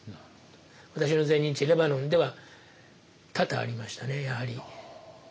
私の前任地レバノンでは多々ありましたねやはり。